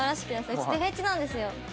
うち手フェチなんですよ。